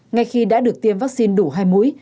ngay khi đã được tiêm vaccine đủ hai mũi